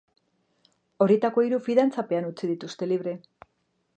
Horietako hiru fidantzapean utzi dituzte libre.